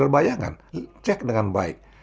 bayangan percaya dengan baik